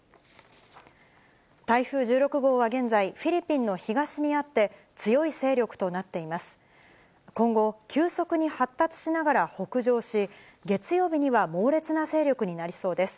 台風１６号は現在、フィリピンの東にあって、強い勢力となっています。